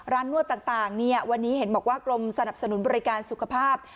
นวดต่างวันนี้เห็นบอกว่ากรมสนับสนุนบริการสุขภาพ